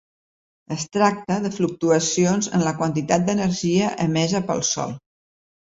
Es tracta de fluctuacions en la quantitat d'energia emesa pel sol.